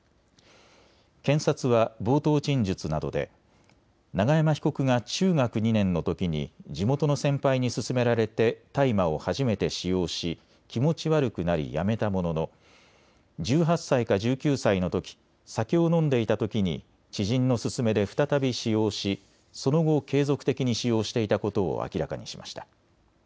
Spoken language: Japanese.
検察は冒頭陳述などで永山被告が中学２年のときに地元の先輩に勧められて大麻を初めて使用し気持ち悪くなりやめたものの１８歳か１９歳のとき酒を飲んでいたときに知人の勧めで再び使用しその後、継続的に使用していたことを明らかにしました。